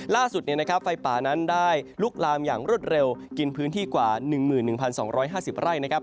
ล่าสุดไฟป่านั้นได้ลุกลามอย่างรวดเร็วกินพื้นที่กว่า๑๑๒๕๐ไร่นะครับ